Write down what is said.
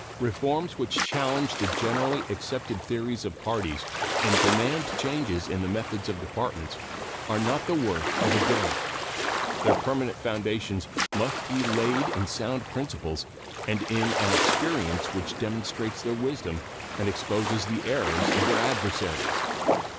Reforms which challenge the generally accepted theories of parties and demand changes in the methods of Departments are not the work of a day. Their permanent foundations must be laid in sound principles and in an experience which demonstrates their wisdom and exposes the errors of their adversaries.